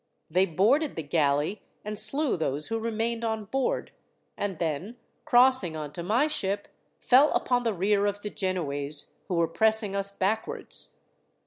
They boarded the galley and slew those who remained on board, and then, crossing on to my ship, fell upon the rear of the Genoese who were pressing us backwards.